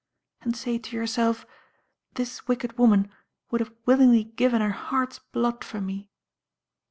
And say to yourself, 'This wicked woman would have willingly given her heart's blood for me.'